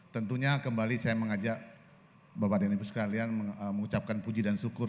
tentunya kembali saya mengajak bapak dan ibu sekalian mengucapkan puji dan syukur